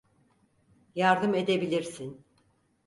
Yardım edebilirsin.